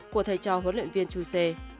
của thầy trò huấn luyện viên chuse